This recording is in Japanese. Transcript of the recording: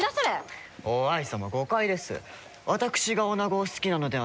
於愛様誤解です。